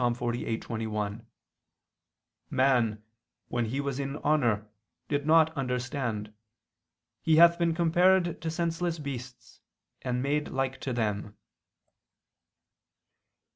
48:21: "Man, when he was in honor, did not understand: he hath been compared to senseless beasts, and made like to them."